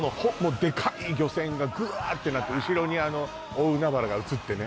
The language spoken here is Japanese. デカい漁船がグワッてなって後ろに大海原が映ってね